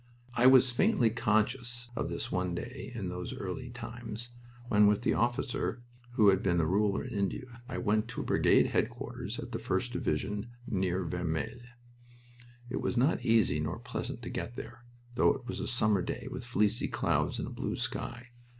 I was faintly conscious of this one day in those very early times, when with the officer who had been a ruler in India I went to a brigade headquarters of the 1st Division near Vermelles. It was not easy nor pleasant to get there, though it was a summer day with fleecy clouds in a blue sky.